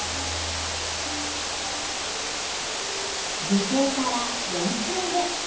受精から４週目。